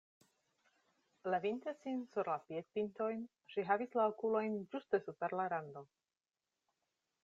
Levinte sin sur la piedpintojn, ŝi havis la okulojn ĝuste super la rando.